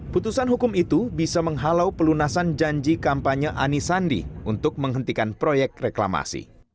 putusan hukum itu bisa menghalau pelunasan janji kampanye anies sandi untuk menghentikan proyek reklamasi